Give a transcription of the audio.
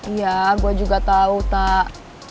iya gue juga tahu tak